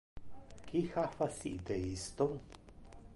Qui ha facite isto?